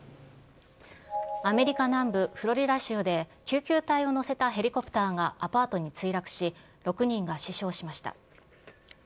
アメリカ南部フロリダ州で、救急隊を乗せたヘリコプターがアパートに墜落し、６人が死傷しました。